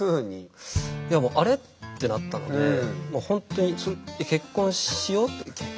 いやもう「アレ？」ってなったので「ほんとに結婚しよう」って。